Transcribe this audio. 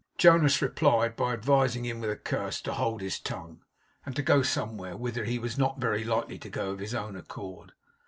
Jonas replied by advising him with a curse to hold his tongue, and to go somewhere, whither he was not very likely to go of his own accord.